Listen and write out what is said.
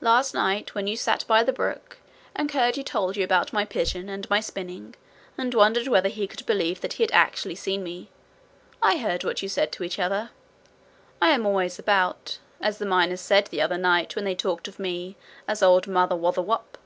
Last night when you sat by the brook, and Curdie told you about my pigeon, and my spinning, and wondered whether he could believe that he had actually seen me, I heard what you said to each other. I am always about, as the miners said the other night when they talked of me as Old Mother Wotherwop.'